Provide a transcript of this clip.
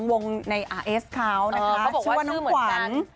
ของวงในอาร์เอสเขานะคะเขาบอกว่าชื่อเหมือนกัน